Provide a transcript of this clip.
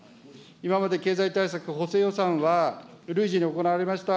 今まで経済対策、補正予算は、累次に行われました